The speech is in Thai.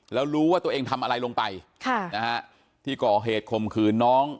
แล้วรู้ว่าตัวเองทำอะไรลงไปที่ก่อเหตุข่มขืนน้อง